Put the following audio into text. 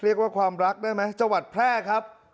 เรียกว่าความรักได้ไหมจังหวัดแพร่ครับ